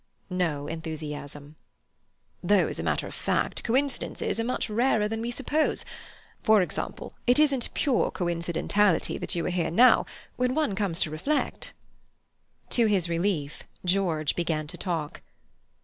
'" No enthusiasm. "Though, as a matter of fact, coincidences are much rarer than we suppose. For example, it isn't purely coincidentally that you are here now, when one comes to reflect." To his relief, George began to talk.